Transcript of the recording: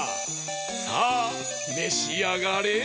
さあめしあがれ！